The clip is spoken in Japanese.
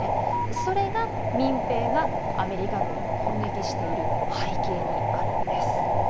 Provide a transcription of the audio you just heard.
それが、民兵がアメリカ軍を攻撃している背景にあるんです。